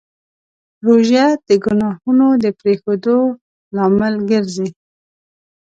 روژه د ګناهونو د پرېښودو لامل ګرځي.